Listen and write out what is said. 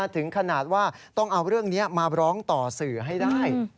ถึงขนาดว่าต้องเอาเรื่องนี้มาร้องต่อสื่อให้ได้